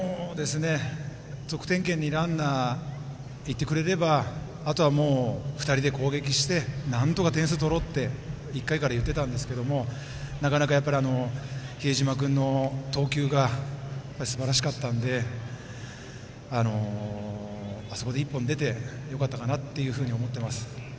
得点圏にランナー行ってくれればあとは２人で攻撃してなんとか点数取ろうって１回から言ってたんですけどなかなか、比江島君の投球がすばらしかったのであそこで１本出てよかったかなと思っています。